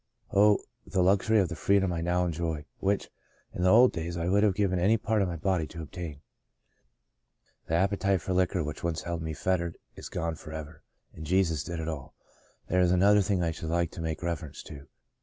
Oh ! the luxury of the freedom I now enjoy, which, in the old days, I would have given any part of my body to obtain, God's Good Man 41 The appetite for liquor which once held me fettered is gone forever — and Jesus did it all. There is another thing I should like to make reference to.